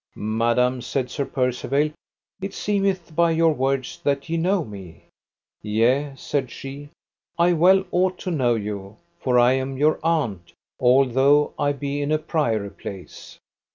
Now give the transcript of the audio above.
Madam, said Sir Percivale, it seemeth by your words that ye know me. Yea, said she, I well ought to know you, for I am your aunt, although I be in a priory place.